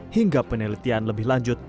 hingga penelitian lebih lanjut